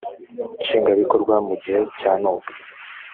nshingwabikorwa mu gihe cya nowa